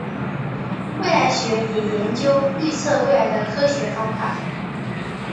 未来学也研究预测未来的科学方法。